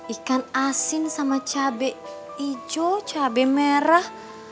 ikan asin sama cabai hijau cabai merah